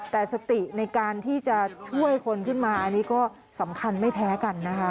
แต่สติในการที่จะช่วยคนขึ้นมาอันนี้ก็สำคัญไม่แพ้กันนะคะ